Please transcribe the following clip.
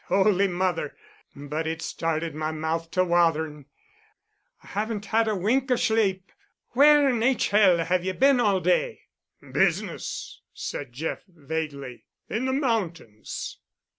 Holy Mother! but it started my mouth to watherin'—I haven't had a wink of shlape. Where in h—l have you been all day?" "Business," said Jeff vaguely, "in the mountains."